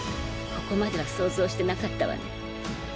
ここまでは想像してなかったわね。